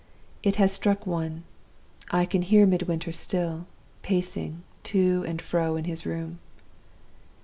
"It has struck one. I can hear Midwinter still, pacing to and fro in his room.